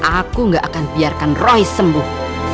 aku gak akan biarkan roy sembuh